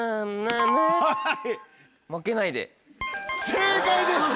正解です。